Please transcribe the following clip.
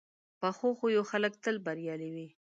پخو خویو خلک تل بریالي وي